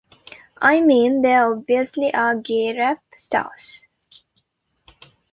I mean, there obviously are gay rap stars.